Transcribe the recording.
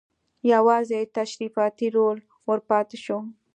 یوازې تشریفاتي رول ور پاتې شو.